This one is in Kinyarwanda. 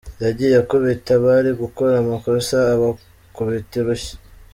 Yagiye akubita abari gukora amakosa, abakubita urushyi.